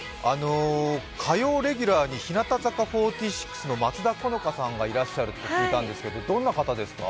火曜レギュラーに日向坂４６の松田好花さんがいらっしゃるって聞いたんですけどどんな方ですか。